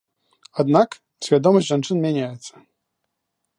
Аднак свядомасць жанчын мяняецца.